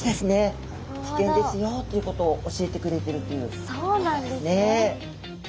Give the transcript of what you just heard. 危険ですよということを教えてくれてるということですね。